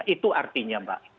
itu artinya mbak